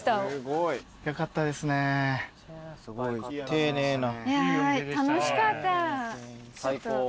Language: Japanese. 丁寧な。